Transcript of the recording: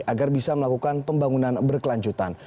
agar bisa melakukan pembangunan berkelanjutan